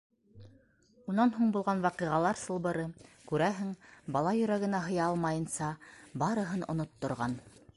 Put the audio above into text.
Унан һуң булған ваҡиғалар сылбыры, күрәһең, бала йөрәгенә һыя алмайынса, барыһын онотторған...